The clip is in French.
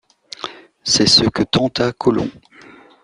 C’est ce que tenta Colomb.